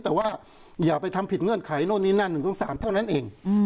แต่ว่าอย่าไปทำผิดเงื่อนไขโน้นนี้นั่นหนึ่งขึ้นสามเท่านั้นเอง